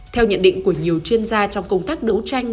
theo nhận định của nhiều chuyên gia trong công tác đấu tranh